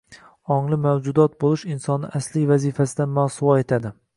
ongli mavjudot bo‘lmish insonni asliy vazifasidan mosuvo etadi.